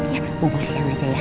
ya bubuk siang aja ya